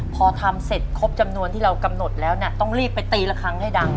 พอทำเสร็จครบจำนวนที่เรากำหนดแล้วเนี่ยต้องรีบไปตีละครั้งให้ดัง